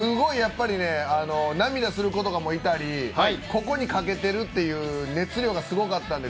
すごいやっぱり涙する子とかもいたり、ここにかけてるという熱量がすごかったです。